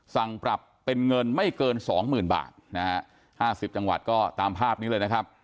สั่งปรับเป็นเงินไม่เกินสองหมื่นบาทนะฮะ๕๐จังหวัดก็ตามภาพนี้เลยนะครับ